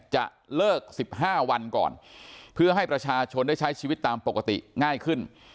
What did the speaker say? จะเลิก๑๕วันก่อนเพื่อให้ประชาชนได้ใช้ชีวิตตามปกติง่ายขึ้น